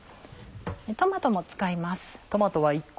トマトも使います。